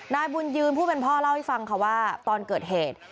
นายบุญยืนผู้เป็นพ่อเล่าให้ฟังค่ะว่าตอนเกิดเหตุ